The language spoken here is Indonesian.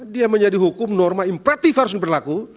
dia menjadi hukum norma imperatif harus berlaku